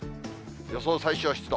予想最小湿度。